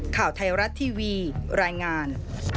ข่าวไทยรัฐทีวีรายงาน